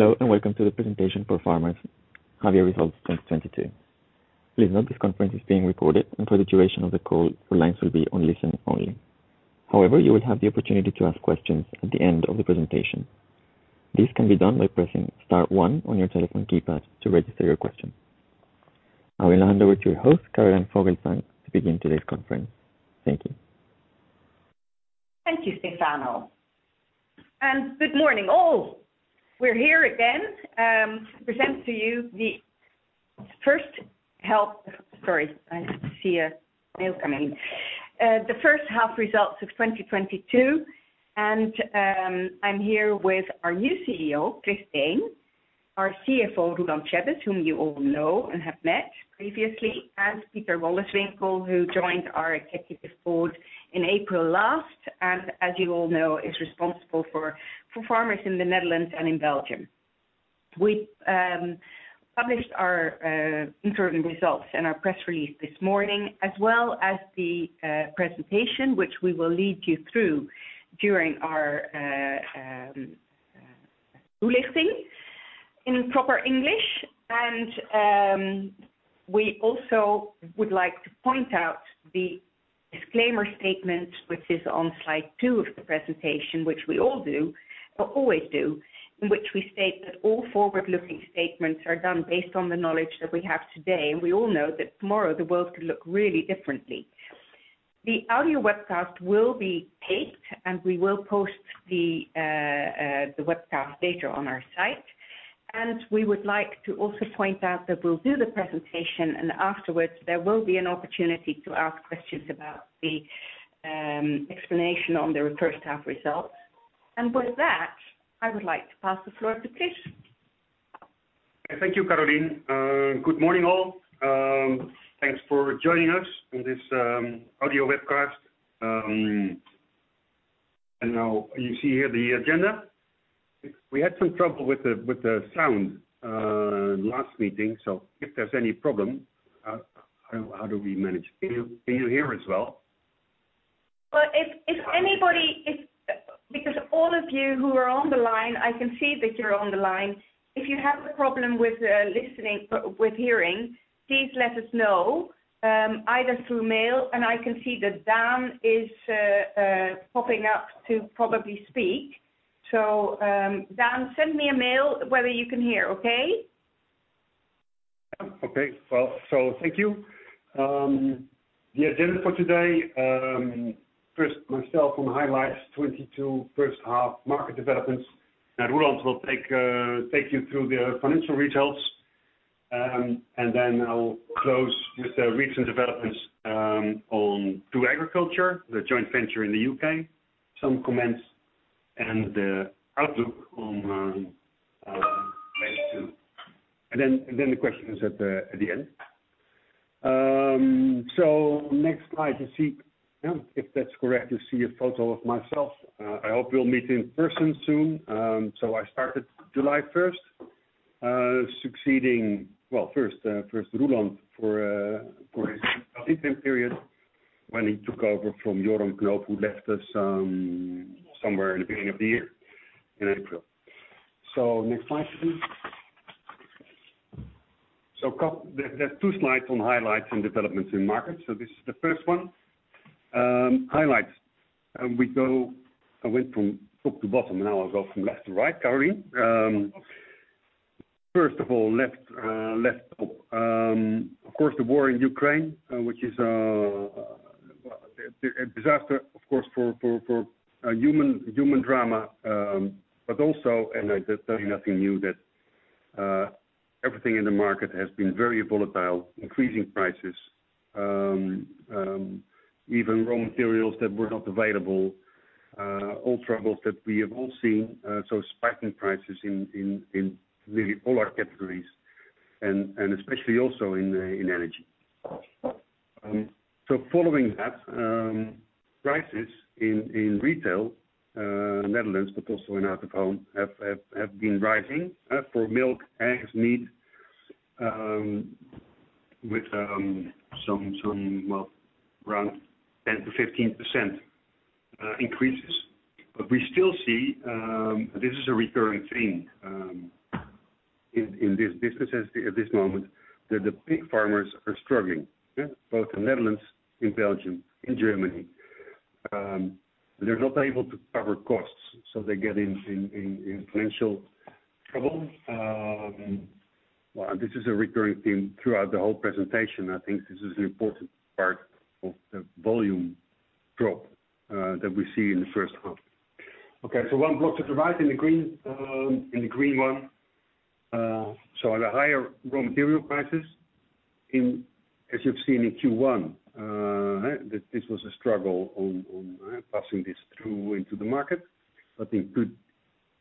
Hello, and welcome to the presentation for ForFarmers' half year results 2022. Please note this conference is being recorded, and for the duration of the call your lines will be on listen only. However, you will have the opportunity to ask questions at the end of the presentation. This can be done by pressing star one on your telephone keypad to register your question. I will hand over to your host, Caroline Vogelzang, to begin today's conference. Thank you. Thank you, Stefano, and good morning all. We're here again to present to you the first half results of 2022. Sorry, I see a mail coming. I'm here with our new CEO, Chris Deen, our CFO, Roeland Tjebbes, whom you all know and have met previously, and Pieter Wolleswinkel, who joined our executive board in April last, and as you all know is responsible for ForFarmers in the Netherlands and in Belgium. We published our interim results in our press release this morning, as well as the presentation, which we will lead you through during our in proper English. We also would like to point out the disclaimer statement, which is on slide two of the presentation, which we all do, or always do, in which we state that all forward-looking statements are done based on the knowledge that we have today. We all know that tomorrow the world could look really differently. The audio webcast will be taped, and we will post the webcast later on our site. We would like to also point out that we'll do the presentation and afterwards, there will be an opportunity to ask questions about the explanation on the first half results. With that, I would like to pass the floor to Chris. Thank you, Caroline. Good morning all. Thanks for joining us on this audio webcast. Now you see here the agenda. We had some trouble with the sound last meeting. If there's any problem, how do we manage? Can you hear us well? Well, if anybody because all of you who are on the line, I can see that you're on the line. If you have a problem with listening or with hearing, please let us know either through mail. I can see that Deen is popping up to probably speak. Deen, send me a mail whether you can hear, okay? Okay. Well, thank you. The agenda for today, first myself on highlights 2022 first half market developments. Roeland will take you through the financial results. Then I'll close with the recent developments on 2Agriculture, the joint venture in the U.K., some comments and the outlook on. The questions at the end. Next slide, you see, if that's correct, you see a photo of myself. I hope we'll meet in person soon. I started July 1st, succeeding, well, first Roeland for his interim period when he took over from Yoram Knoop who left us, somewhere in the beginning of the year in April. Next slide please. There, there's two slides on highlights and developments in markets. This is the first one. Highlights. I went from top to bottom. Now I'll go from left to right, Caroline. First of all, left top. Of course, the war in Ukraine, which is well a disaster of course for human drama. But also, I tell you nothing new, that everything in the market has been very volatile, increasing prices, even raw materials that were not available, all troubles that we have all seen. Spiking prices in really all our categories and especially also in energy. Following that, prices in retail, Netherlands, but also in out of home have been rising for milk, eggs, meat, with some, well, around 10%-15% increases. We still see this is a recurring theme in these businesses at this moment, that the pig farmers are struggling, yeah. Both in Netherlands, in Belgium, in Germany. They're not able to cover costs, so they get in financial trouble. Well, this is a recurring theme throughout the whole presentation. I think this is an important part of the volume drop that we see in the first half. Okay, one block to the right in the green, in the green one. Higher raw material prices, as you've seen in Q1, that this was a struggle on passing this through into the market. In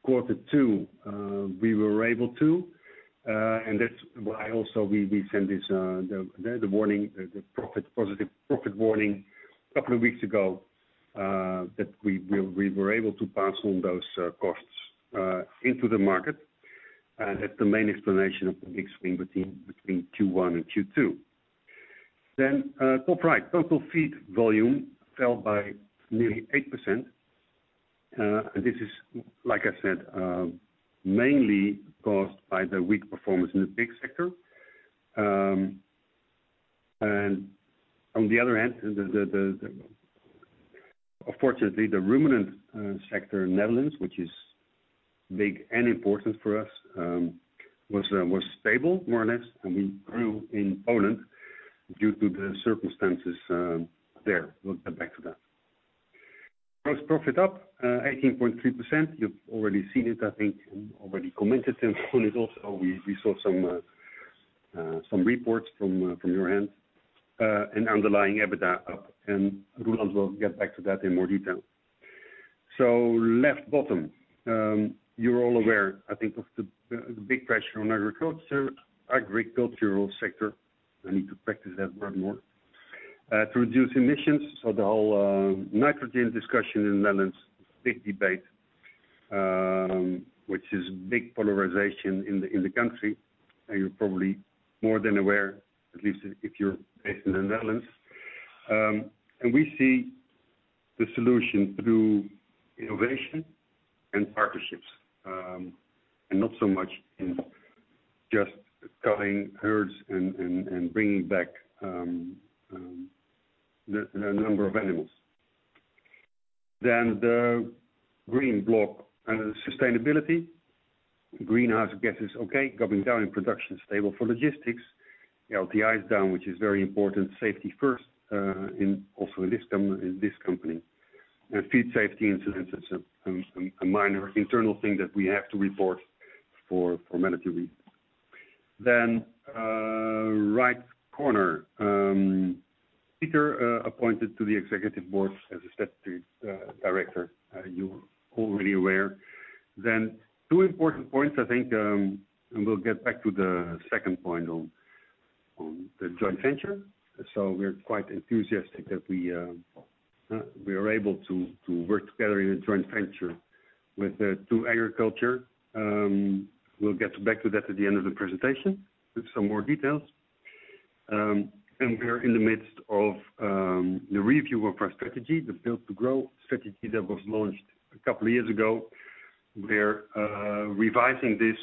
Q2, we were able to, and that's why also we sent this, the positive profit warning a couple of weeks ago, that we were able to pass on those costs into the market. That's the main explanation of the big swing between Q1 and Q2. Top right, total feed volume fell by nearly 8%. This is, like I said, mainly caused by the weak performance in the pig sector. Fortunately, the ruminant sector in Netherlands, which is big and important for us, was stable more or less. We grew in Poland due to the circumstances there. We'll get back to that. Gross profit up 18.3%. You've already seen it, I think, already commented on it also. We saw some reports from your end. Underlying EBITDA up, and Roeland will get back to that in more detail. Left bottom, you're all aware, I think, of the big pressure on agricultural sector. I need to practice that word more. To reduce emissions. The whole nitrogen discussion in Netherlands, big debate, which is big polarization in the country. You're probably more than aware, at least if you're based in the Netherlands. We see the solution through innovation and partnerships, and not so much in just cutting herds and bringing back the number of animals. The green block. Under the sustainability, greenhouse gas is okay. Going down in production, stable for logistics. LTI is down, which is very important. Safety first, in this company. Feed safety incidents is a minor internal thing that we have to report for mandatory reasons. Right corner. Pieter appointed to the executive board as a strategy director, you're already aware. Two important points, I think, and we'll get back to the second point on the joint venture. We're quite enthusiastic that we are able to work together in a joint venture with 2Agriculture. We'll get back to that at the end of the presentation with some more details. We're in the midst of the review of our strategy, the Build to Grow strategy that was launched a couple years ago. We're revising this,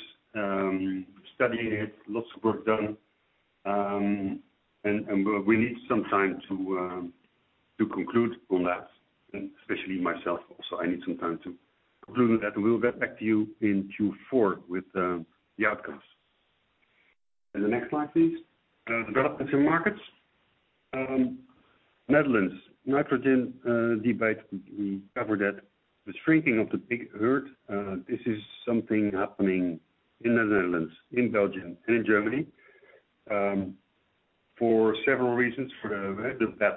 studying it, lots of work done. We need some time to conclude on that. Especially myself also, I need some time to conclude on that. We'll get back to you in Q4 with the outcomes. The next slide, please. Developments in markets. Netherlands nitrogen debate, we covered that. The shrinking of the pig herd, this is something happening in the Netherlands, in Belgium and in Germany, for several reasons. For the,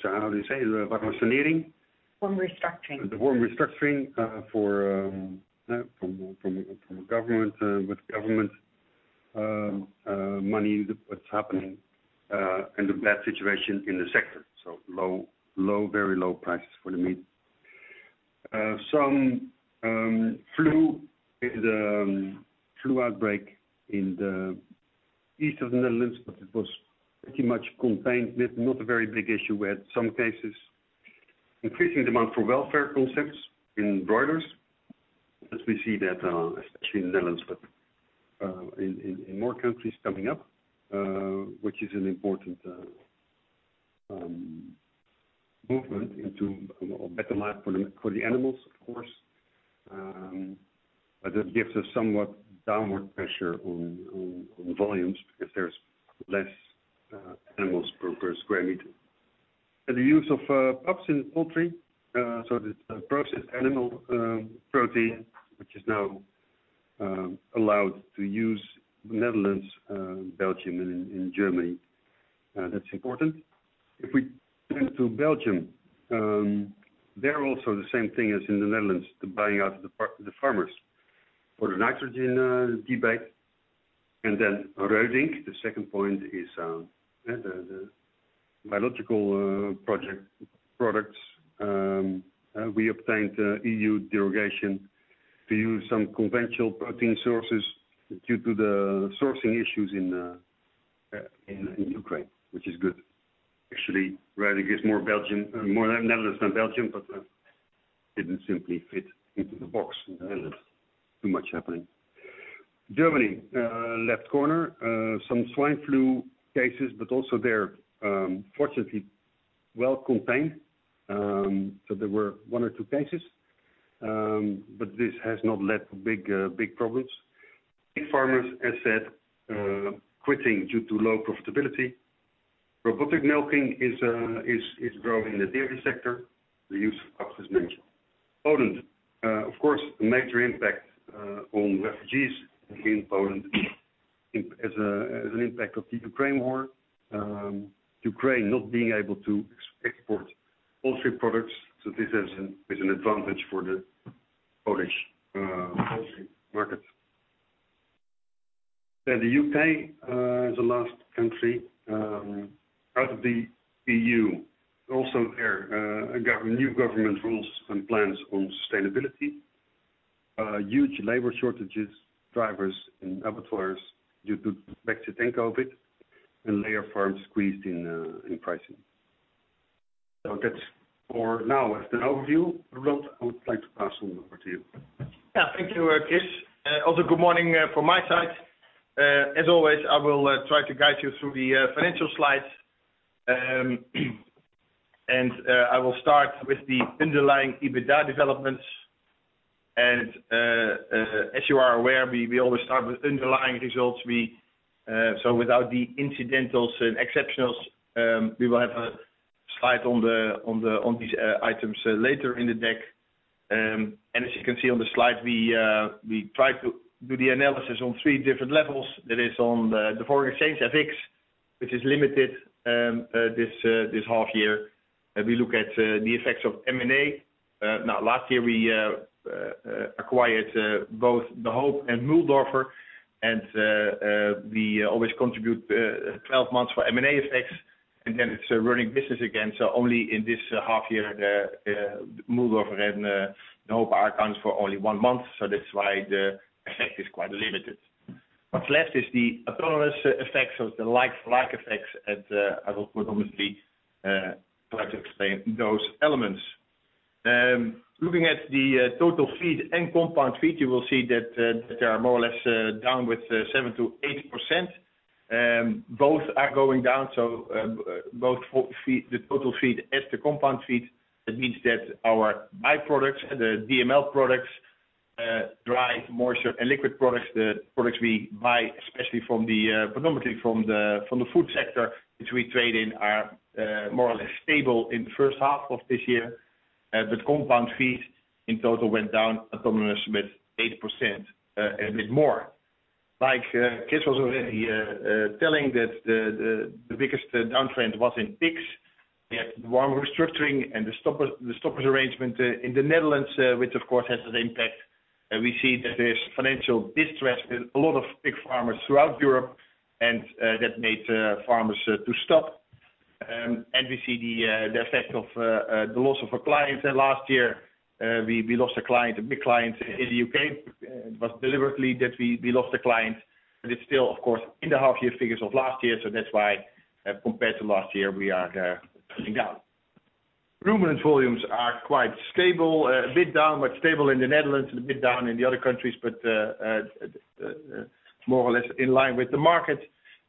so how do you say? Farm restructuring. The farm restructuring from a government with government money, what's happening, and the bad situation in the sector. Very low prices for the meat. Some flu outbreak in the east of the Netherlands, but it was pretty much contained with not a very big issue. We had some cases. Increasing demand for welfare concepts in broilers. As we see that, especially in the Netherlands, but in more countries coming up, which is an important movement into a better life for the animals, of course. But it gives us somewhat downward pressure on volumes because there's less animals per square meter. The use of PAPs in poultry, so the processed animal protein, which is now allowed in the Netherlands, Belgium and Germany. That's important. If we turn to Belgium, they're also the same thing as in the Netherlands. The buying out of the farmers for the nitrogen debate. Reudink, the second point is the biological project products. We obtained the EU derogation to use some conventional protein sources due to the sourcing issues in Ukraine, which is good. Actually, Reudink is more in the Netherlands than in Belgium, but didn't simply fit into the box. There's too much happening. Germany, left corner. Some swine flu cases, but also there, fortunately well contained. There were one or two cases, but this has not led to big problems. Pig farmers has said quitting due to low profitability. Robotic milking is growing in the dairy sector. The use of PAPs is mentioned. Poland, of course, major impact on refugees in Poland as an impact of the Ukraine war. Ukraine not being able to export poultry products. This is an advantage for the Polish poultry market. The U.K. is the last country out of the EU. There, a new government rules and plans on sustainability. Huge labor shortages, drivers and abattoirs due to Brexit and COVID, and layer farms squeezed in pricing. That's for now as an overview. Roeland, I would like to pass on over to you. Yeah, thank you, Chris. Also good morning from my side. As always, I will try to guide you through the financial slides. I will start with the underlying EBITDA developments. As you are aware, we always start with underlying results. So without the incidentals and exceptionals, we will have a slide on these items later in the deck. As you can see on the slide, we try to do the analysis on three different levels. That is on the foreign exchange, FX, which is limited this half year. We look at the effects of M&A. Now last year we acquired both De Hoop and Mühldorfer, and we always contribute 12 months for M&A effects, and then it's a running business again. Only in this half year, the Mühldorfer and De Hoop accounts for only one month, so that's why the effect is quite limited. What's left is the autonomous effects of the like-for-like effects, and I will put on the screen try to explain those elements. Looking at the total feed and compound feed, you will see that they are more or less down by 7%-8%. Both are going down, both the total feed and the compound feed. That means that our byproducts, the DML products, dry, moisture, and liquid products, the products we buy, especially predominantly from the food sector, which we trade in, are more or less stable in the first half of this year. Compound feeds in total went down autonomously with 8%, and with more. Like, Chris was already telling that the biggest downtrend was in pigs. We had one restructuring and the stoppers arrangement in the Netherlands, which of course has an impact. We see that there's financial distress with a lot of pig farmers throughout Europe and that made farmers to stop. We see the effect of the loss of a client. Last year, we lost a client, a big client in the U.K.. It was deliberately that we lost a client, but it's still of course in the half year figures of last year. That's why, compared to last year we are going down. Ruminants volumes are quite stable, a bit down, but stable in the Netherlands and a bit down in the other countries. More or less in line with the market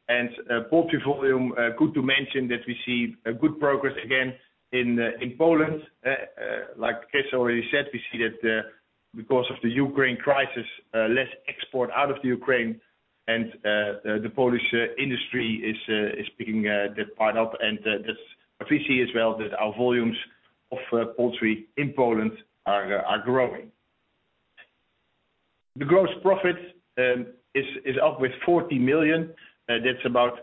and poultry volume, good to mention that we see a good progress again in Poland. Like Chris already said, we see that because of the Ukraine crisis, less export out of the Ukraine and the Polish industry is picking that part up. That's what we see as well that our volumes of poultry in Poland are growing. The gross profit is up with 40 million. That's about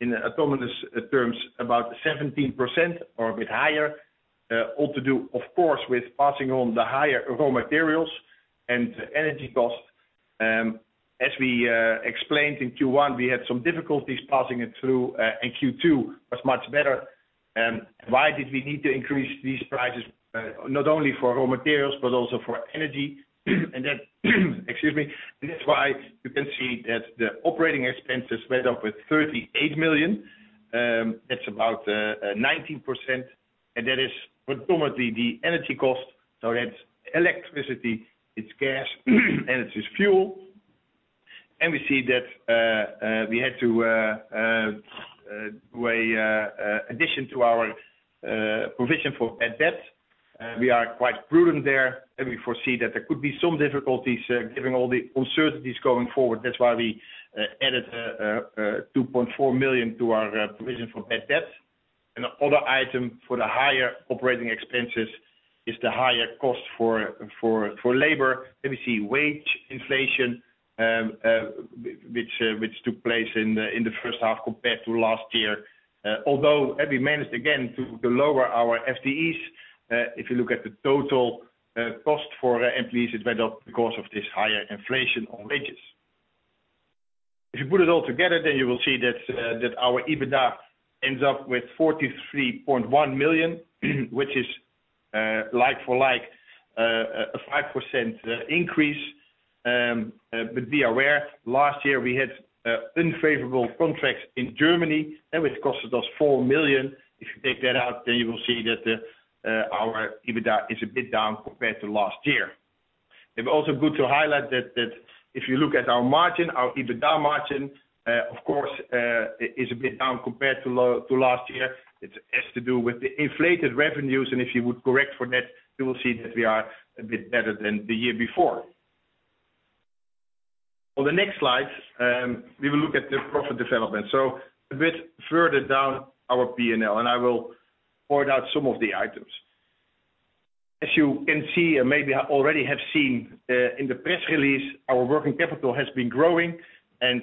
in autonomous terms about 17% or a bit higher. All to do of course with passing on the higher raw materials and energy costs. As we explained in Q1, we had some difficulties passing it through and Q2 was much better. Why did we need to increase these prices? Not only for raw materials, but also for energy. That, excuse me, that's why you can see that the operating expenses went up with 38 million. That's about 19%. That is predominantly the energy cost. That's electricity, it's gas, and it's just fuel. We see that we had to make an addition to our provision for bad debt. We are quite prudent there, and we foresee that there could be some difficulties given all the uncertainties going forward. That's why we added 2.4 million to our provision for bad debt. The other item for the higher operating expenses is the higher cost for labor. We see wage inflation which took place in the first half compared to last year. Although we managed again to lower our FTEs, if you look at the total cost for employees, it went up because of this higher inflation on wages. If you put it all together, then you will see that our EBITDA ends up with 43.1 million, which is like-for-like a 5% increase. Be aware, last year we had unfavorable contracts in Germany which cost us 4 million. If you take that out, you will see that our EBITDA is a bit down compared to last year. It's also good to highlight that if you look at our margin, our EBITDA margin, of course, is a bit down compared to last year. It has to do with the inflated revenues, and if you would correct for that, you will see that we are a bit better than the year before. On the next slide, we will look at the profit development, so a bit further down our P&L, and I will point out some of the items. As you can see, and maybe already have seen, in the press release, our working capital has been growing and,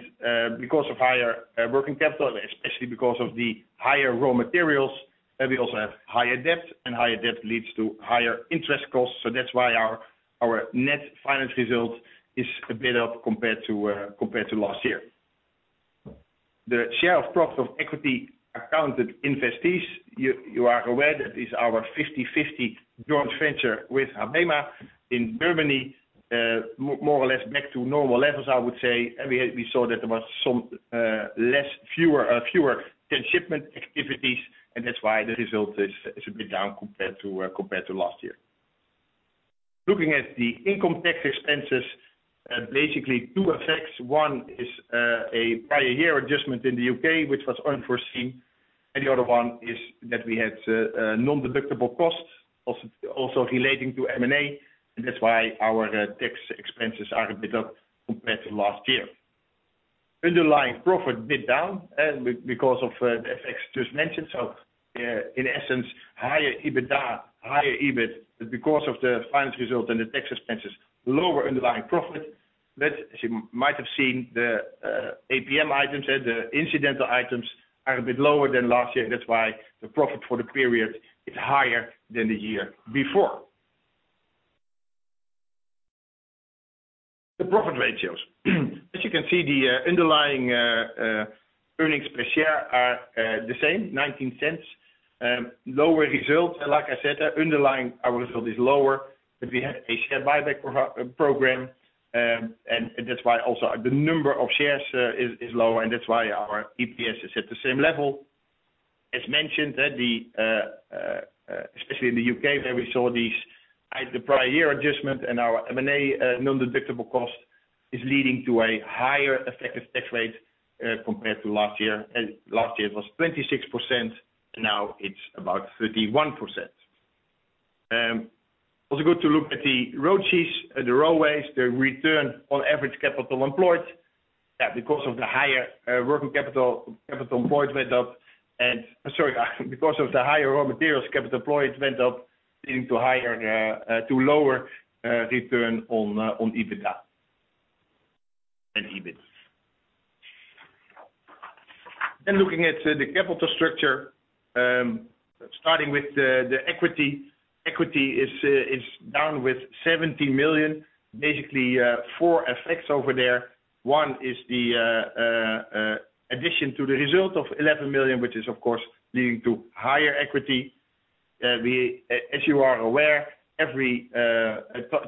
because of higher working capital, and especially because of the higher raw materials. We also have higher debt, and higher debt leads to higher interest costs. So that's why our net finance result is a bit up compared to last year. The share of profit of equity accounted investees, you are aware that is our 50/50 joint venture with HaBeMa in Germany. More or less back to normal levels, I would say. We saw that there was some less, fewer ton shipment activities, and that's why the result is a bit down compared to last year. Looking at the income tax expenses, basically two effects. One is a prior year adjustment in the U.K., which was unforeseen, and the other one is that we had non-deductible costs also relating to M&A. That's why our tax expenses are a bit up compared to last year. Underlying profit bit down because of the effects just mentioned. In essence, higher EBITDA, higher EBIT. Because of the finance result and the tax expenses, lower underlying profit. As you might have seen, the APM items, the incidental items are a bit lower than last year. That's why the profit for the period is higher than the year before. The profit ratios. As you can see, the underlying earnings per share are the same, 0.19. Lower results, like I said, underlying our result is lower, but we had a share buyback program. And that's why also the number of shares is lower, and that's why our EPS is at the same level. As mentioned, especially in the U.K., where we saw because of the higher raw materials, capital employed went up, leading to lower return on EBITDA and EBIT. Looking at the capital structure, starting with the equity. Equity is down with 70 million, basically, four effects over there. One is the addition to the result of 11 million, which is of course leading to higher equity. As you are aware, every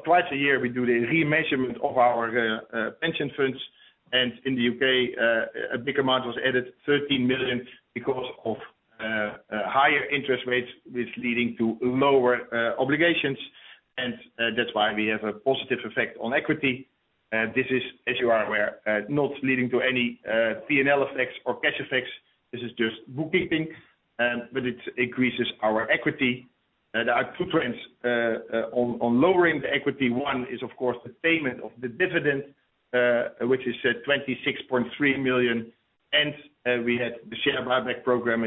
twice a year, we do the remeasurement of our pension funds. In the U.K., a big amount was added, 13 million, because of higher interest rates, which is leading to lower obligations. That's why we have a positive effect on equity. This is, as you are aware, not leading to any P&L effects or cash effects. This is just bookkeeping, but it increases our equity. There are two trends on lowering the equity. One is, of course, the payment of the dividend, which is 26.3 million. We had the share buyback program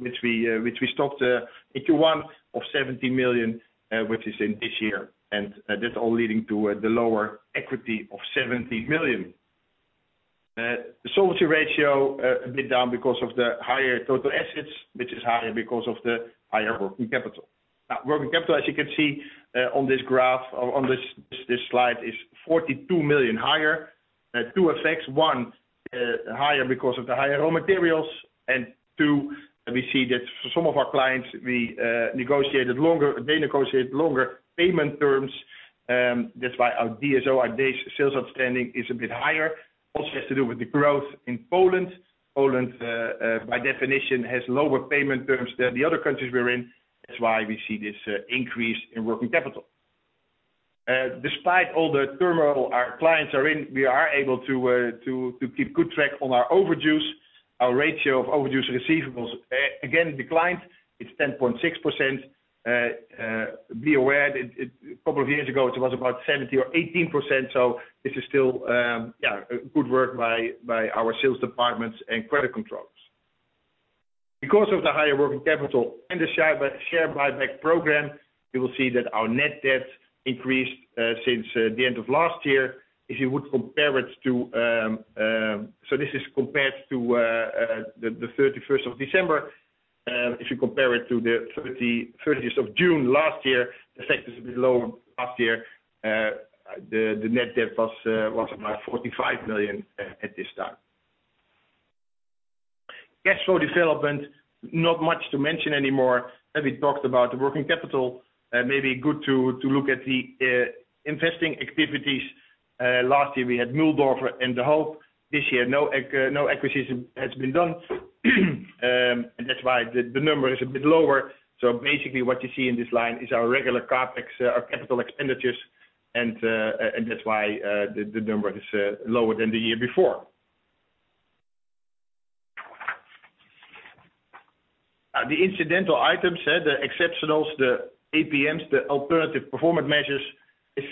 which we stopped in Q1 of 70 million which is in this year. That's all leading to the lower equity of 70 million. The solvency ratio is a bit down because of the higher total assets, which is higher because of the higher working capital. Now, working capital, as you can see, on this graph on this slide, is 42 million higher. Two effects. One, higher because of the higher raw materials. Two, we see that for some of our clients, they negotiate longer payment terms. That's why our DSO, our days sales outstanding, is a bit higher. Also has to do with the growth in Poland. Poland, by definition, has lower payment terms than the other countries we're in. That's why we see this increase in working capital. Despite all the turmoil our clients are in, we are able to keep good track on our overdues. Our ratio of overdues receivables declined. It's 10.6%. Be aware, it was about 17 or 18% a couple of years ago. This is still good work by our sales departments and credit controls. Because of the higher working capital and the share buyback program, you will see that our net debt increased since the end of last year. If you would compare it to, this is compared to the 31st of December. If you compare it to the 30th of June last year, the effect is a bit lower. Last year, the net debt was about 45 million at this time. Cash flow development, not much to mention anymore, as we talked about the working capital. Maybe good to look at the investing activities. Last year, we had Mühldorfer and De Hoop. This year, no acquisition has been done. And that's why the number is a bit lower. Basically, what you see in this line is our regular CapEx, our capital expenditures, and that's why the number is lower than the year before. The incidental items, the exceptionals, the APMs, the alternative performance measures, is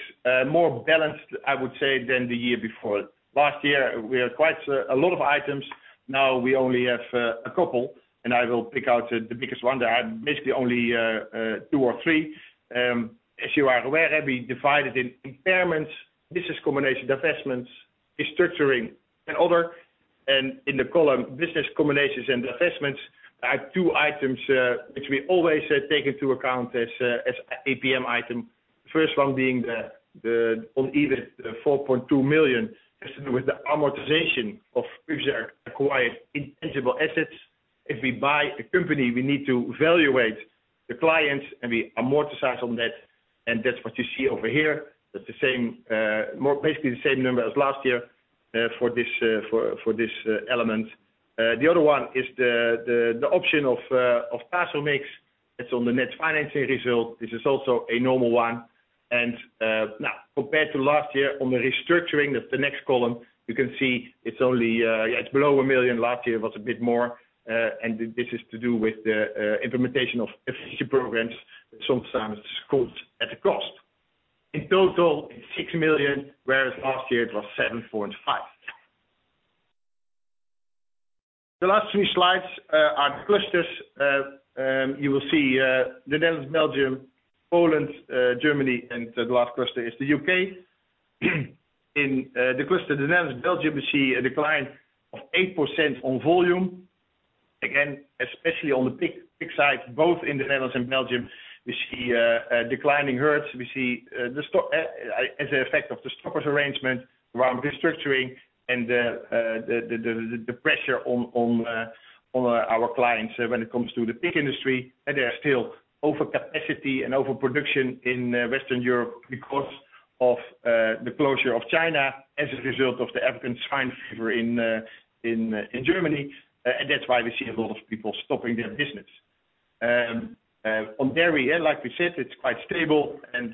more balanced, I would say, than the year before. Last year, we had quite a lot of items. Now we only have a couple, and I will pick out the biggest one. There are basically only two or three. As you are aware, we divide it in impairments, business combinations, divestments, restructuring and other. In the column, business combinations and divestments are two items, which we always take into account as a PM item. First one being the one on EBIT, the 4.2 million. Has to do with the amortization of acquired intangible assets. If we buy a company, we need to value the clients and we amortize on that, and that's what you see over here. That's the same, more or less, basically the same number as last year for this element. The other one is the option of Tasomix. It's on the net financing result. This is also a normal one. Now compared to last year on the restructuring, that's the next column, you can see it's only below 1 million. Last year it was a bit more, and this is to do with the implementation of efficiency programs, sometimes comes at a cost. In total it's 6 million, whereas last year it was 7.5 million. The last three slides are clusters. You will see the Netherlands, Belgium, Poland, Germany, and the last cluster is the U.K.. In the cluster, the Netherlands, Belgium, we see a decline of 8% on volume. Again, especially on the pig side, both in the Netherlands and Belgium. We see declining herds. We see the stock as an effect of the stoppers arrangement around restructuring and the pressure on our clients when it comes to the pig industry. There are still over capacity and overproduction in Western Europe because of the closure of China as a result of the African swine fever in Germany. That's why we see a lot of people stopping their business. On dairy, yeah, like we said, it's quite stable. As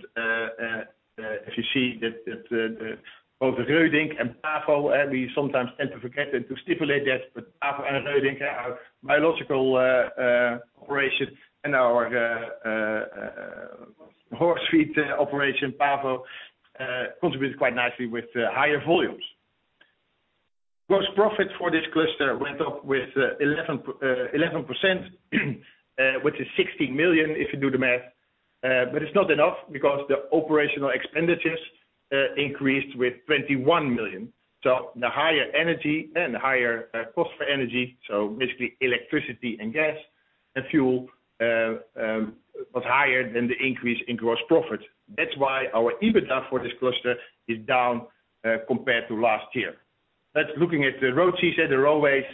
you see that both Reudink and Pavo, we sometimes tend to forget and to stipulate that, but Pavo and Reudink, our biological operation and our horse feed operation, Pavo contributes quite nicely with higher volumes. Gross profit for this cluster went up with 11%, which is 60 million if you do the math. It's not enough because the operational expenditures increased with 21 million. The higher energy and the higher cost for energy, basically electricity and gas and fuel, was higher than the increase in gross profit. That's why our EBITDA for this cluster is down compared to last year. Looking at the ROCE, the ROACE,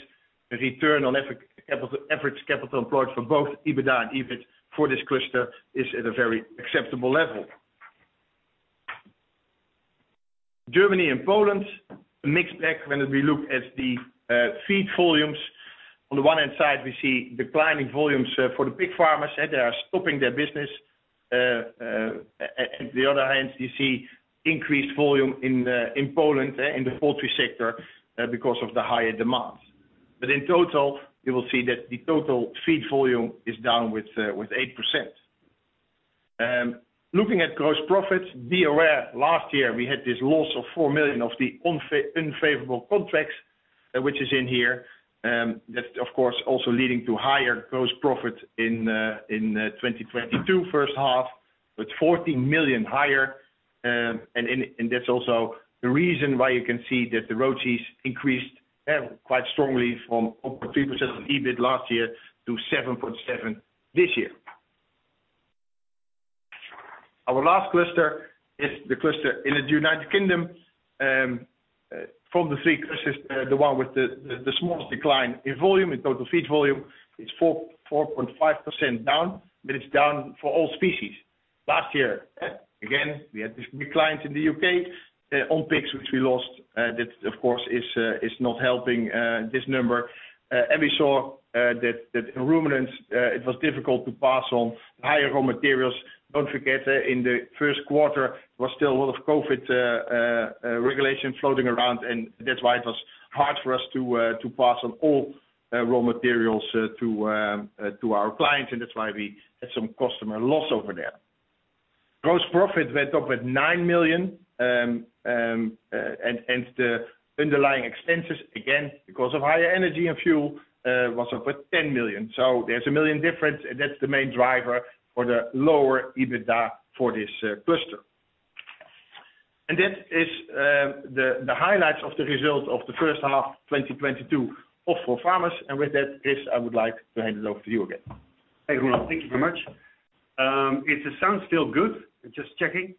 the return on average capital employed for both EBITDA and EBIT for this cluster is at a very acceptable level. Germany and Poland, a mixed bag when we look at the feed volumes. On the one hand side, we see declining volumes for the pig farmers, and they are stopping their business. On the other hand, you see increased volume in Poland in the poultry sector because of the higher demand. In total, you will see that the total feed volume is down with 8%. Looking at gross profits, be aware last year we had this loss of 4 million of the unfavorable contracts, which is in here. That's of course also leading to higher gross profits in 2022 first half with 14 million higher. That's also the reason why you can see that the ROCE increased quite strongly from 0.3% of EBIT last year to 7.7% this year. Our last cluster is the cluster in the United Kingdom. From the three clusters, the one with the smallest decline in volume, in total feed volume, it's 4.5% down, but it's down for all species. Last year, again, we had this big client in the U.K. on pigs, which we lost. That of course is not helping this number. We saw that in ruminants, it was difficult to pass on higher raw materials. Don't forget, in the first quarter was still a lot of COVID regulation floating around, and that's why it was hard for us to pass on all raw materials to our clients, and that's why we had some customer loss over there. Gross profit went up with 9 million. The underlying expenses again, because of higher energy and fuel, was up 10 million. There's 1 million difference, and that's the main driver for the lower EBITDA for this cluster. That is the highlights of the results of the first half 2022 of ForFarmers. With that, Chris, I would like to hand it over to you again. Hey, Roeland, thank you very much. Is the sound still good? Just checking.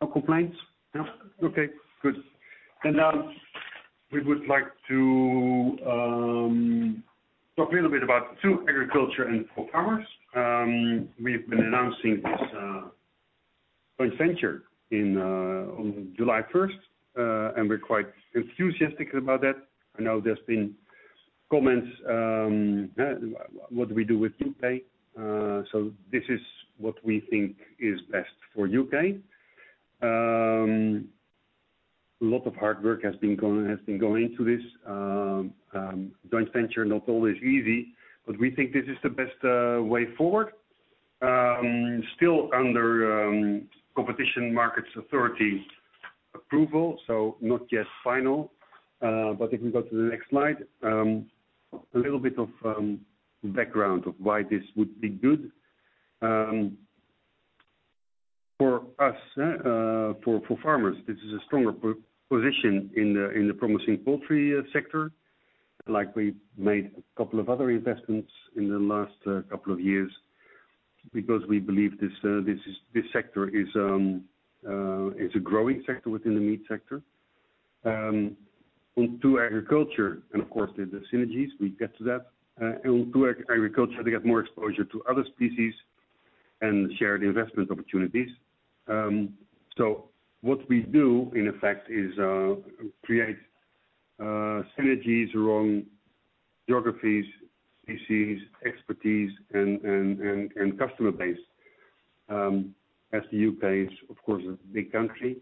No complaints? No. Okay, good. We would like to talk a little bit about 2Agriculture and ForFarmers. We've been announcing this joint venture on July first, and we're quite enthusiastic about that. I know there's been comments, what do we do with U.K.? This is what we think is best for U.K.. A lot of hard work has been going into this joint venture not always easy, but we think this is the best way forward. Still under Competition and Markets Authority approval, so not yet final. If we go to the next slide, a little bit of background of why this would be good. For us, ForFarmers, this is a stronger position in the promising poultry sector. Like we made a couple of other investments in the last couple of years because we believe this sector is a growing sector within the meat sector. 2Agriculture and of course the synergies, we get to that. 2Agriculture to get more exposure to other species and share the investment opportunities. What we do in effect is create synergies around geographies, species, expertise and customer base. As the U.K. Is of course a big country,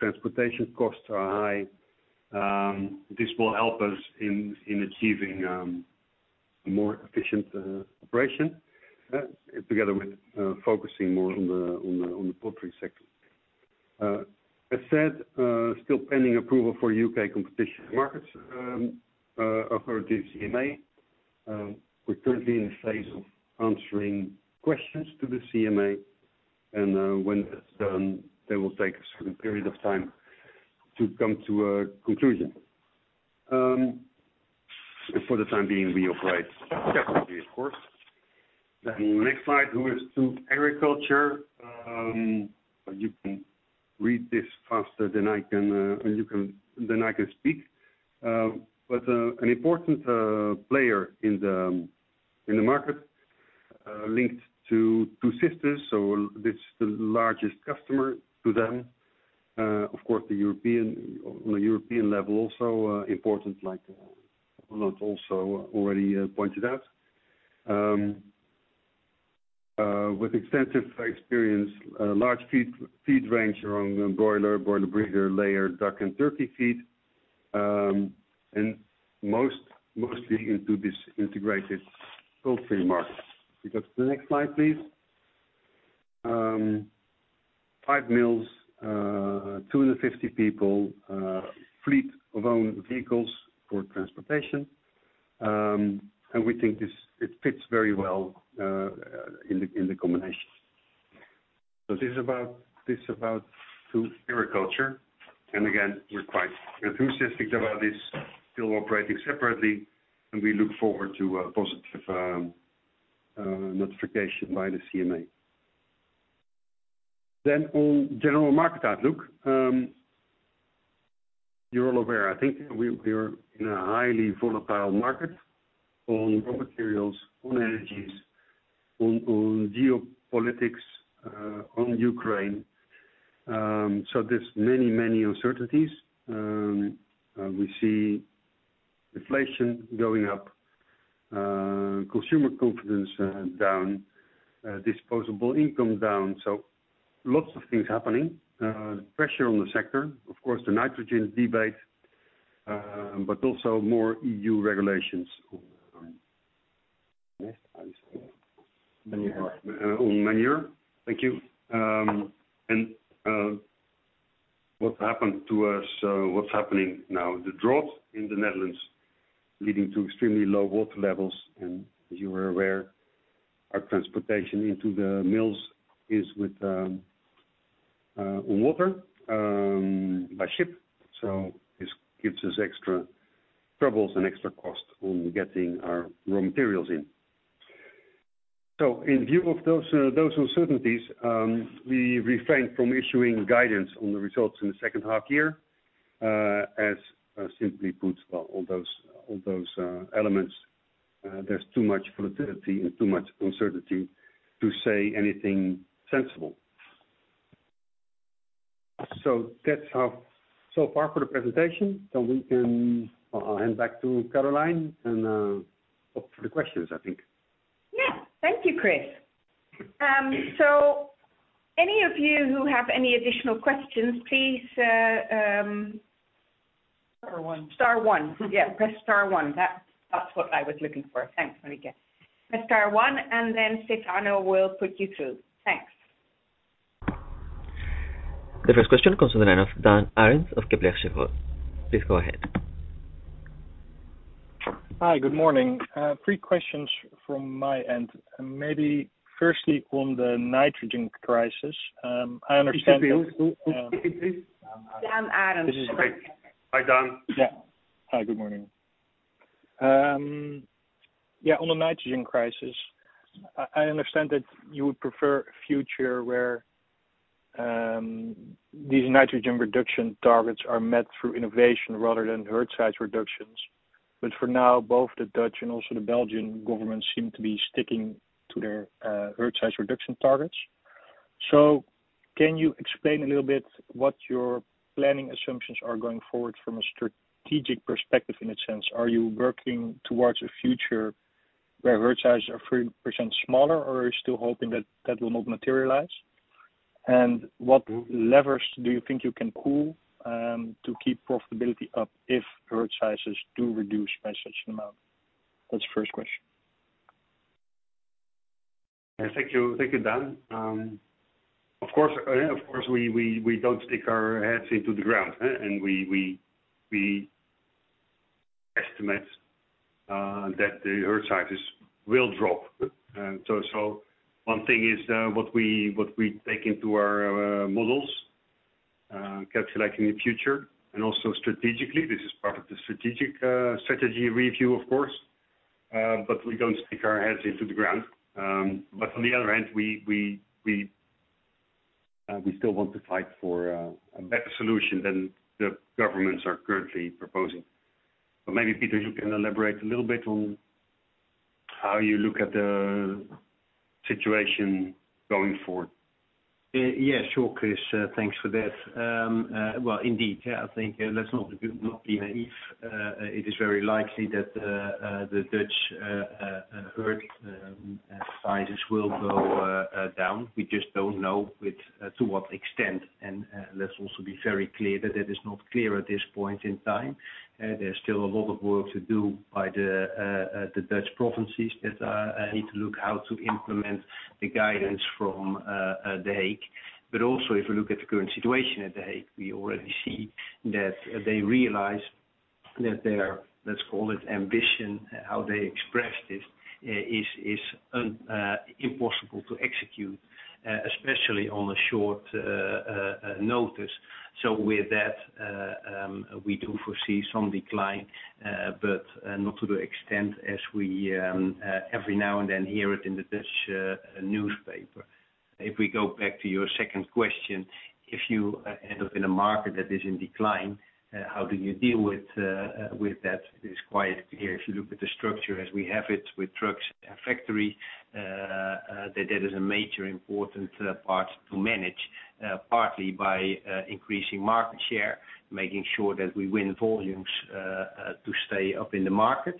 transportation costs are high, this will help us in achieving a more efficient operation together with focusing more on the poultry sector. I said still pending approval for U.K. Competition and Markets Authority, CMA. We're currently in the phase of answering questions to the CMA and when that's done they will take a certain period of time to come to a conclusion. For the time being we operate separately, of course. Next slide, who is Huuskes Agriculture. You can read this faster than I can speak. An important player in the market, linked to 2 Sisters. This is the largest customer to them. Of course, on a European level also important, as already pointed out. With extensive experience, a large feed range around broiler breeder, layer, duck and turkey feed. Mostly into this integrated poultry market. We go to the next slide, please. Five mills, 250 people, fleet of own vehicles for transportation. We think this. It fits very well in the combination. This is about Huuskes Agriculture. We're quite enthusiastic about this, still operating separately and we look forward to a positive notification by the CMA. On general market outlook, you're all aware, I think we are in a highly volatile market on raw materials, on energies, on geopolitics, on Ukraine. There's many uncertainties. We see inflation going up, consumer confidence down, disposable income down. Lots of things happening. Pressure on the sector, of course, the nitrogen debate, but also more EU regulations on. Yes, I see. Manure. On manure. Thank you. What happened to us, what's happening now, the drought in the Netherlands leading to extremely low water levels. As you are aware, our transportation into the mills is on water, by ship. This gives us extra troubles and extra cost on getting our raw materials in. In view of those uncertainties, we refrain from issuing guidance on the results in the second half year, as simply put, all those elements, there's too much volatility and too much uncertainty to say anything sensible. That's so far for the presentation. I'll hand back to Caroline and up for the questions I think. Yeah. Thank you, Chris. Any of you who have any additional questions, please. Star one. Star one. Yeah, press star one. That, that's what I was looking for. Thanks, Marloes Roetgering. Press star one, and then Stefano will put you through. Thanks. The first question comes from the line of Daan Arends of Kepler Cheuvreux. Please go ahead. Hi, good morning. Three questions from my end. Maybe firstly on the nitrogen crisis. I understand that Could you say who is it please? Daan Arends. Great. Hi, Daan. Yeah. Hi, good morning. Yeah, on the nitrogen crisis. I understand that you would prefer a future where these nitrogen reduction targets are met through innovation rather than herd size reductions. For now, both the Dutch and also the Belgian government seem to be sticking to their herd size reduction targets. Can you explain a little bit what your planning assumptions are going forward from a strategic perspective in a sense? Are you working towards a future where herd size are 3% smaller or are you still hoping that that will not materialize? And what levers do you think you can pull to keep profitability up if herd sizes do reduce by such an amount? That's the first question. Thank you. Thank you, Daan. Of course, we don't stick our heads into the ground. We Estimate that the herd sizes will drop. So one thing is what we take into our models calculating the future and also strategically, this is part of the strategy review, of course. We don't stick our heads into the ground. On the other hand, we still want to fight for a better solution than the governments are currently proposing. Maybe, Pieter, you can elaborate a little bit on how you look at the situation going forward. Yeah, sure, Chris. Thanks for that. Well, indeed. Yeah, I think let's not be naive. It is very likely that the Dutch herd sizes will go down. We just don't know to what extent. Let's also be very clear that it is not clear at this point in time. There's still a lot of work to do by the Dutch provinces that need to look how to implement the guidance from The Hague. But also if we look at the current situation at The Hague, we already see that they realize that their, let's call it ambition, how they express this, is impossible to execute, especially on a short notice. With that, we do foresee some decline, but not to the extent as we every now and then hear it in the Dutch newspaper. If we go back to your second question, if you end up in a market that is in decline, how do you deal with that? It is quite clear if you look at the structure as we have it with trucks and factory, that is a major important part to manage, partly by increasing market share, making sure that we win volumes to stay up in the market.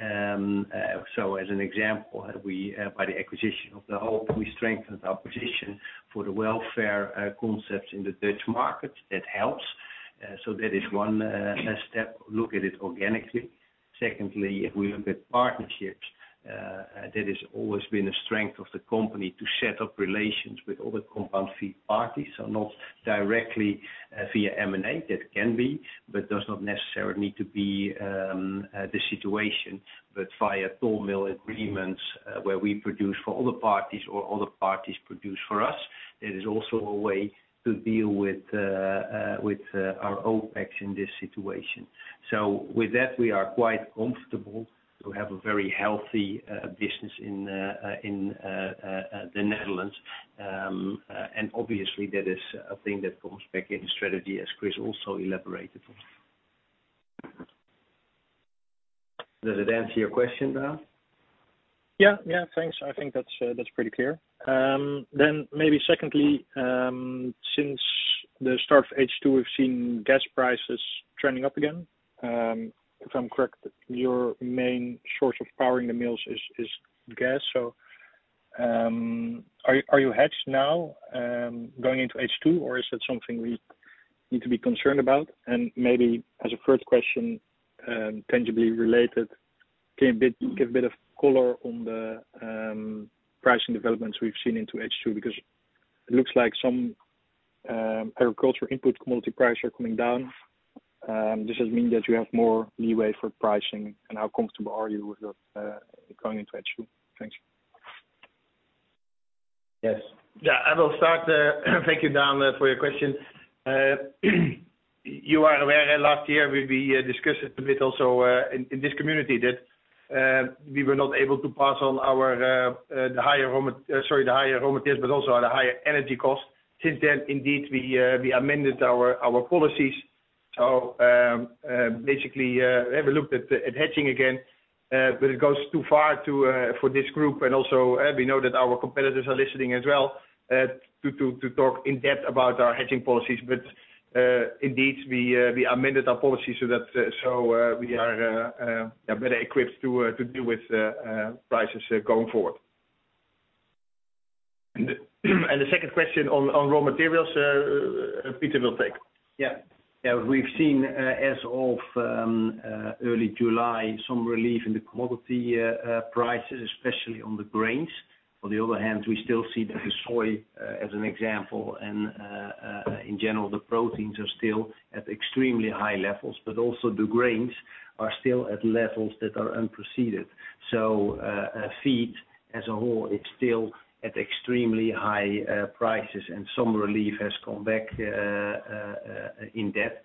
As an example, we, by the acquisition of De Hoop, strengthened our position for the welfare concepts in the Dutch market. That helps. That is one step, look at it organically. Secondly, if we look at partnerships, that has always been a strength of the company to set up relations with other compound feed parties or not directly via M&A. That can be, but does not necessarily need to be, the situation. But via toll mill agreements where we produce for other parties or other parties produce for us, that is also a way to deal with our OpEx in this situation. With that, we are quite comfortable to have a very healthy business in the Netherlands. Obviously that is a thing that comes back in the strategy as Chris also elaborated on. Does it answer your question, Daan? Yeah. Thanks. I think that's pretty clear. Maybe secondly, since the start of H2, we've seen gas prices trending up again. If I'm correct, your main source of powering the mills is gas. Are you hedged now going into H2, or is that something we need to be concerned about? Maybe as a first question, tangibly related, can you give a bit of color on the pricing developments we've seen into H2 because it looks like some agricultural input commodity prices are coming down. Does this mean that you have more leeway for pricing, and how comfortable are you with that going into H2? Thanks. Yes. Yeah, I will start. Thank you, Daan, for your question. You are aware last year we discussed it a bit also in this community that we were not able to pass on the higher raw materials, but also on a higher energy cost. Since then, indeed, we amended our policies. Basically, we have looked at hedging again, but it goes too far for this group. Also, we know that our competitors are listening as well to talk in depth about our hedging policies. Indeed, we amended our policy so that we are better equipped to deal with prices going forward. The second question on raw materials, Pieter will take. Yeah. We've seen, as of early July, some relief in the commodity prices, especially on the grains. On the other hand, we still see the soy, as an example, and, in general, the proteins are still at extremely high levels, but also the grains are still at levels that are unprecedented. Feed as a whole, it's still at extremely high prices and some relief has come back in depth.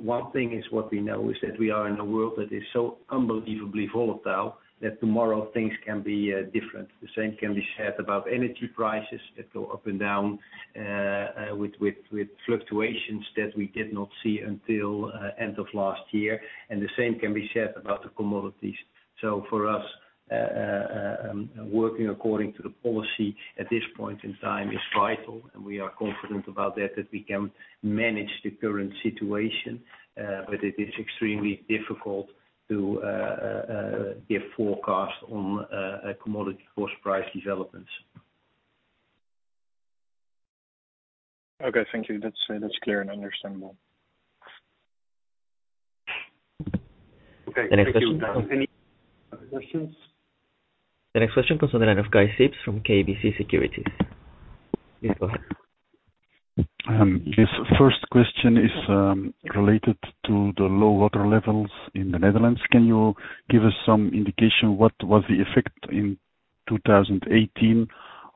One thing is what we know is that we are in a world that is so unbelievably volatile that tomorrow things can be different. The same can be said about energy prices that go up and down, with fluctuations that we did not see until end of last year. The same can be said about the commodities. For us, working according to the policy at this point in time is vital, and we are confident about that we can manage the current situation. It is extremely difficult to give a forecast on commodity price developments. Okay. Thank you. That's clear and understandable. Okay. Thank you, Daan. The next question. Any other questions? The next question comes on the line of Guy Sips from KBC Securities. Please go ahead. This first question is related to the low water levels in the Netherlands. Can you give us some indication what was the effect in 2018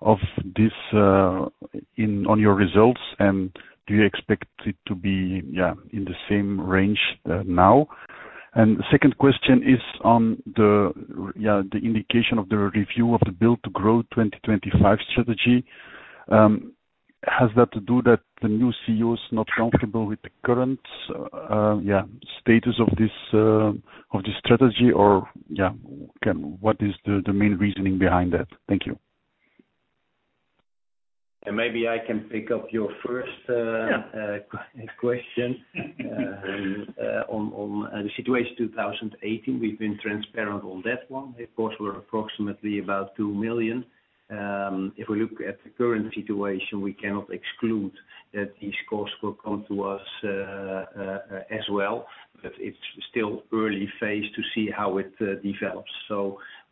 of this on your results? Do you expect it to be in the same range now? The second question is on the indication of the review of the Build to Grow 2025 strategy. Has that to do that the new CEO is not comfortable with the current status of this strategy? Or what is the main reasoning behind that? Thank you. Maybe I can pick up your first. Yeah Question. On the situation 2018, we've been transparent on that one. Of course, we're approximately about 2 million. If we look at the current situation, we cannot exclude that these costs will come to us as well. It's still early phase to see how it develops.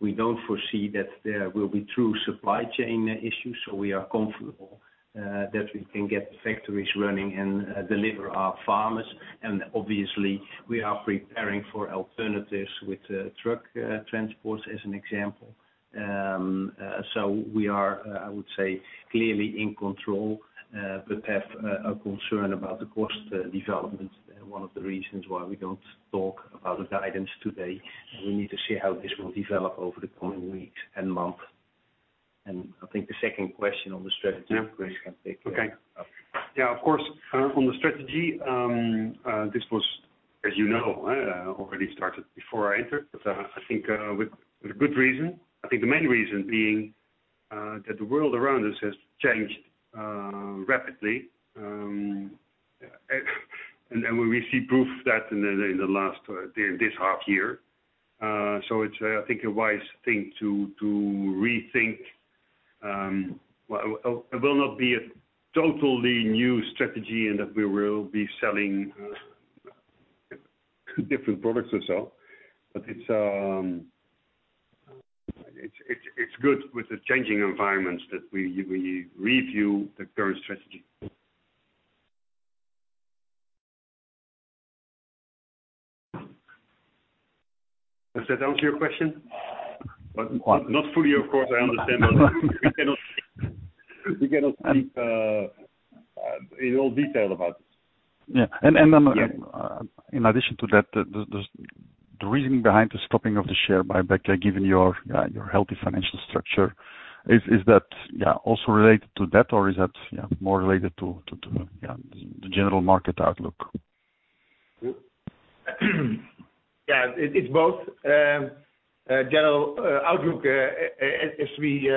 We don't foresee that there will be true supply chain issues. We are comfortable that we can get the factories running and deliver our farmers. Obviously we are preparing for alternatives with truck transport, as an example. We are, I would say, clearly in control, but have a concern about the cost development. One of the reasons why we don't talk about a guidance today. We need to see how this will develop over the coming weeks and months. I think the second question on the strategy. Yeah Chris can take care. Okay. Yeah, of course. On the strategy, this was, as you know, already started before I entered, but I think with good reason. I think the main reason being that the world around us has changed rapidly, and then we see proof that in the last this half year. It's a wise thing to rethink. Well, it will not be a totally new strategy and that we will be selling different products or so. It's good with the changing environments that we review the current strategy. Does that answer your question? Quite. Not fully, of course, I understand. We cannot speak in all detail about it. Yeah. Yeah In addition to that, the reasoning behind the stopping of the share buyback, given your healthy financial structure, is that yeah also related to that, or is that yeah more related to yeah the general market outlook? Yeah, it's both. General outlook as we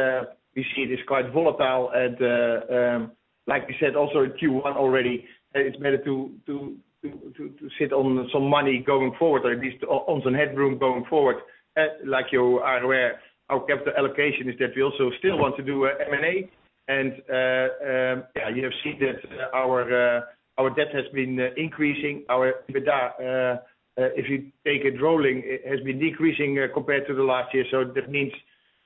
see it is quite volatile. Like we said, also Q1 already, it's better to sit on some money going forward, or at least on some headroom going forward. Like you are aware, our capital allocation is that we also still want to do M&A. Yeah, you have seen that our debt has been increasing. Our EBITDA, if you take it rolling, it has been decreasing compared to the last year. That means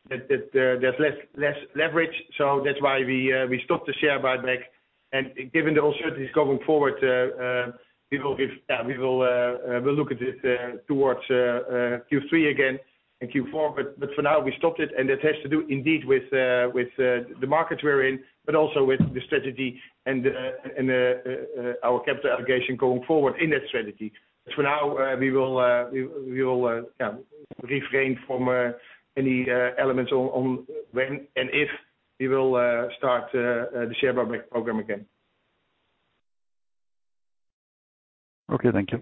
that there's less leverage. That's why we stopped the share buyback. Given the uncertainties going forward, we'll look at it towards Q3 again and Q4. For now we stopped it. That has to do indeed with the market we're in, but also with the strategy and our capital allocation going forward in that strategy. For now, we will yeah refrain from any elements on when and if we will start the share buyback program again. Okay. Thank you.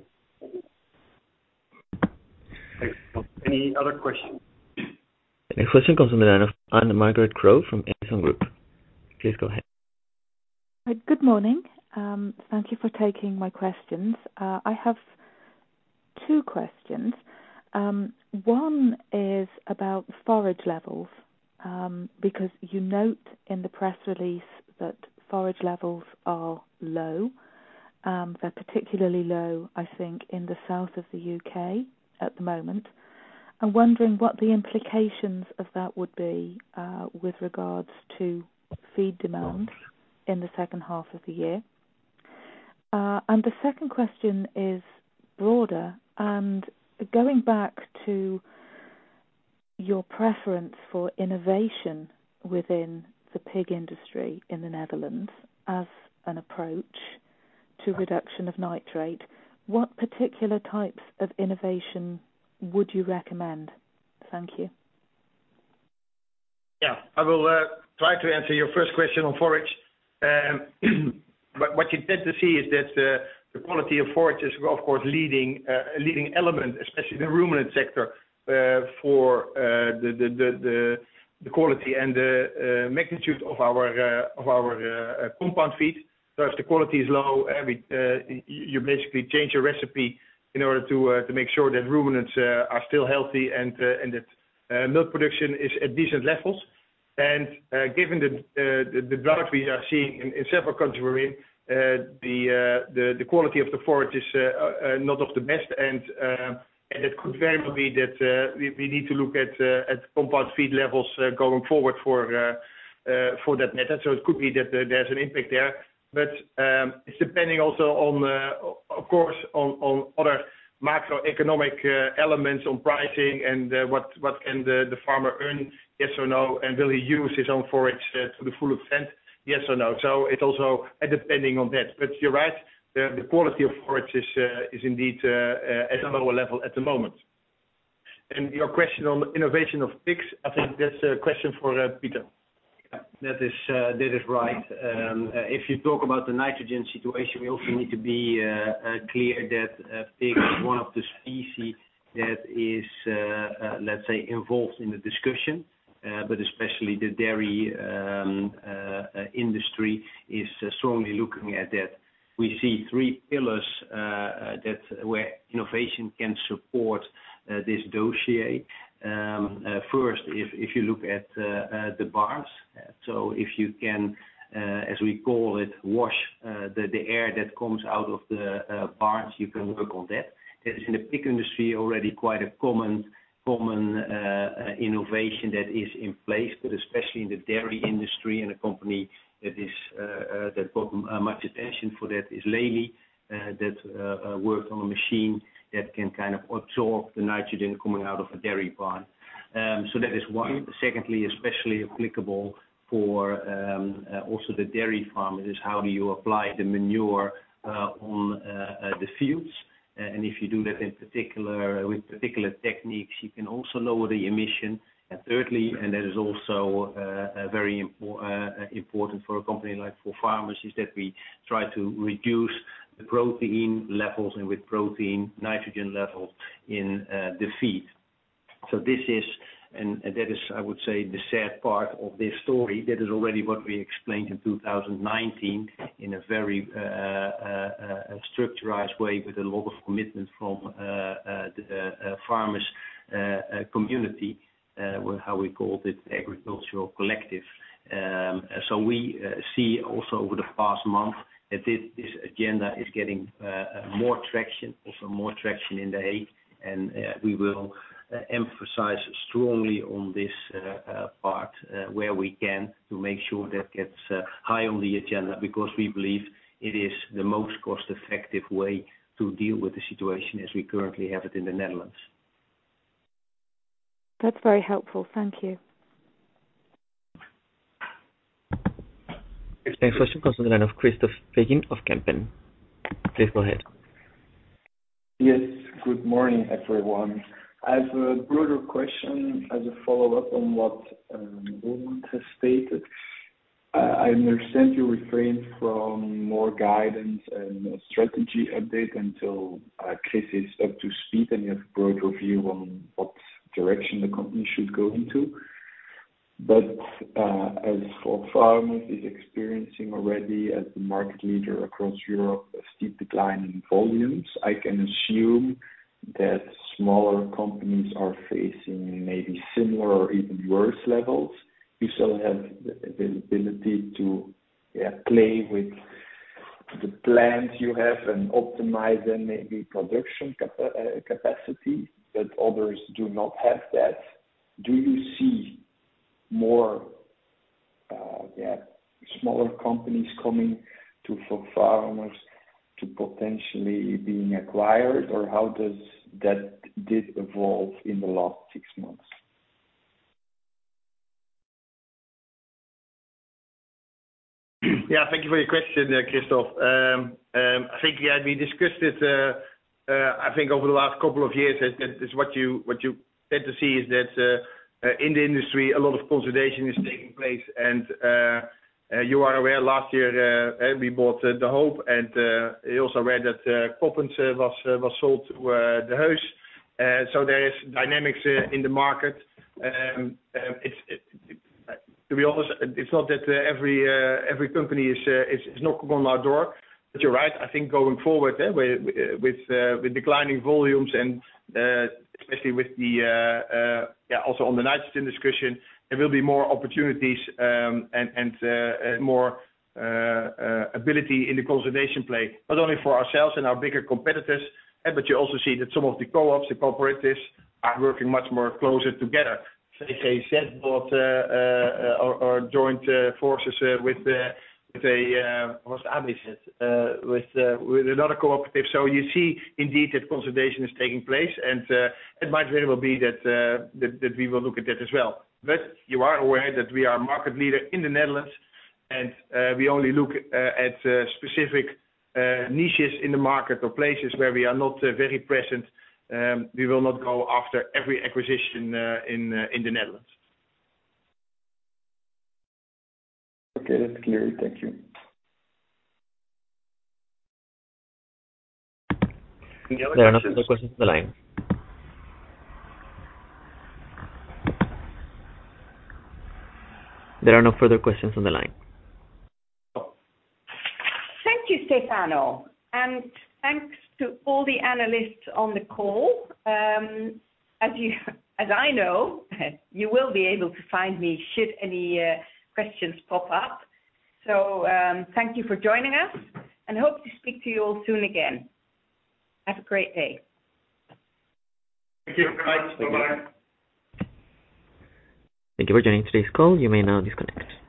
Thanks. Any other questions? The next question comes in on the line of Margaret Crowe from Instone Group. Please go ahead. Good morning. Thank you for taking my questions. I have two questions. One is about forage levels, because you note in the press release that forage levels are low. They're particularly low, I think, in the south of the U.K at the moment. I'm wondering what the implications of that would be, with regards to feed demand in the second half of the year. The second question is broader and going back to your preference for innovation within the pig industry in the Netherlands as an approach to reduction of nitrate. What particular types of innovation would you recommend? Thank you. Yeah. I will try to answer your first question on forage. What you tend to see is that the quality of forage is, of course, leading a leading element, especially the ruminant sector, for the quality and magnitude of our compound feed. If the quality is low, you basically change your recipe in order to make sure that ruminants are still healthy and that milk production is at decent levels. Given the drought we are seeing in several countries we're in, the quality of the forage is not of the best and it could very well be that we need to look at compound feed levels going forward for that matter. It could be that there's an impact there. It's depending also on of course on other macroeconomic elements on pricing and what can the farmer earn, yes or no, and will he use his own forage to the full extent, yes or no. It also depending on that. You're right, the quality of forage is indeed at a lower level at the moment. Your question on innovation of pigs, I think that's a question for Pieter Wolleswinkel. That is right. If you talk about the nitrogen situation, we also need to be clear that pig is one of the species that is, let's say, involved in the discussion. Especially the dairy industry is strongly looking at that. We see three pillars that where innovation can support this dossier. First, if you look at the barns. If you can, as we call it, wash the air that comes out of the barns, you can work on that. That is in the pig industry already quite a common innovation that is in place. Especially in the dairy industry and a company that is that got much attention for that is Lely. That worked on a machine that can kind of absorb the nitrogen coming out of a dairy barn. That is one. Secondly, especially applicable for also the dairy farm, it is how do you apply the manure on the fields. If you do that in particular, with particular techniques, you can also lower the emission. Thirdly, that is also very important for a company like ForFarmers, is that we try to reduce the protein levels and with protein nitrogen levels in the feed. This is, and that is I would say the sad part of this story. That is already what we explained in 2019 in a very structured way with a lot of commitment from the farmers' community, how we called it agricultural collective. We see also over the past month that this agenda is getting more traction, also more traction in The Hague. We will emphasize strongly on this part where we can to make sure that gets high on the agenda because we believe it is the most cost-effective way to deal with the situation as we currently have it in the Netherlands. That's very helpful. Thank you. Next question comes from the line of Christophe again of Kempen. Please go ahead. Yes. Good morning, everyone. I have a broader question as a follow-up on what Roeland has stated. I understand you refrain from more guidance and strategy update until Chris is up to speed and you have broad review on what direction the company should go into. As ForFarmers is experiencing already as the market leader across Europe, a steep decline in volumes, I can assume that smaller companies are facing maybe similar or even worse levels. You still have the ability to play with the plans you have and optimize them, maybe production capacity, but others do not have that. Do you see more smaller companies coming to ForFarmers to potentially being acquired, or how did that evolve in the last six months? Yeah, thank you for your question there, Christophe. I think, yeah, we discussed it, I think over the last couple of years, that is what you tend to see is that in the industry, a lot of consolidation is taking place. You are aware, last year we bought De Hoop, and we also read that Koppert was sold to De Heus. There is dynamics in the market. To be honest, it's not that every company is knocking on our door. You're right, I think going forward with declining volumes and especially with the also on the nitrogen discussion, there will be more opportunities and more ability in the consolidation play, not only for ourselves and our bigger competitors. You also see that some of the co-ops, the cooperatives are working much more closer together. ZLZ said both or joined forces with a, what's Ambitious, with another cooperative. You see indeed that consolidation is taking place. It might very well be that we will look at that as well. You are aware that we are market leader in the Netherlands, and we only look at specific niches in the market or places where we are not very present. We will not go after every acquisition in the Netherlands. Okay. That's clear. Thank you. There are no further questions on the line. Thank you, Stefano. Thanks to all the analysts on the call. As I know, you will be able to find me should any questions pop up. Thank you for joining us, and hope to speak to you all soon again. Have a great day. Thank you very much. Bye-bye. Thank you for joining today's call. You may now disconnect.